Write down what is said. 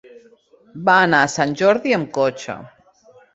Va anar a Sant Jordi amb cotxe.